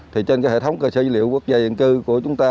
thì trên hệ thống cơ sở dữ liệu quốc gia dân cư của chúng ta